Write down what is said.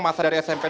masa dari smp ini